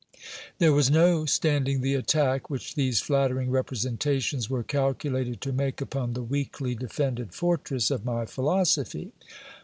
There was no standing the attack which these flattering representations were calculated to make upon the weakly defended fortress of my philosophy.